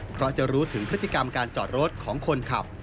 เพราะจะรู้ถึงพฤติกรรมการจอดรถของคนขับ